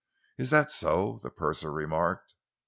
"Is that so?" the purser remarked.